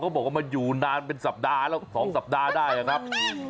บอกว่ามันอยู่นานเป็นสัปดาห์แล้ว๒สัปดาห์ได้นะครับ